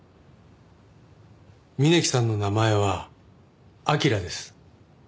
峯木さんの名前は「明」です。